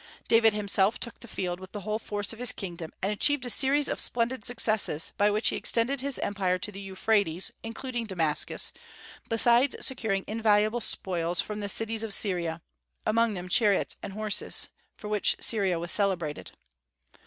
David himself took the field with the whole force of his kingdom, and achieved a series of splendid successes by which he extended his empire to the Euphrates, including Damascus, besides securing invaluable spoils from the cities of Syria, among them chariots and horses, for which Syria was celebrated.